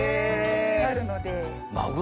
なるので。